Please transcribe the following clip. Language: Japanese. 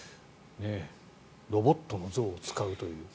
ロボットの象を使うという。